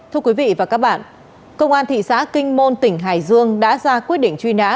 thưa quý vị và các bạn công an thị xã kinh môn tỉnh hải dương đã ra quyết định truy nã